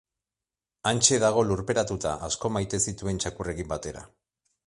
Hantxe dago lurperatuta, asko maite zituen txakurrekin batera.